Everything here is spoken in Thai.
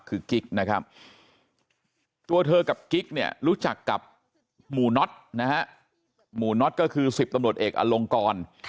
คือกิ๊กนะครับตัวเธอกับกิ๊กเนี่ยรู้จักกับหมู่น็อตนะฮะหมู่น็อตก็คือ๑๐ตำรวจเอกอลงกร